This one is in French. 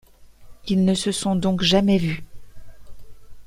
Ils ne se sont donc jamais vus.